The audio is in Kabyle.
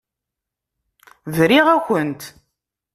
Briɣ-akent.